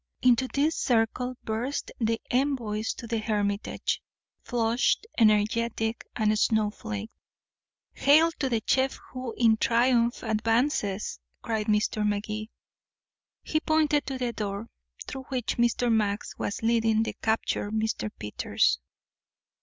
Into this circle burst the envoys to the hermitage, flushed, energetic, snowflaked. "Hail to the chef who in triumph advances!" cried Mr. Magee. He pointed to the door, through which Mr. Max was leading the captured Mr. Peters.